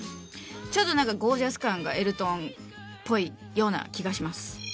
ちょっとなんかゴージャス感がエルトンっぽいような気がします。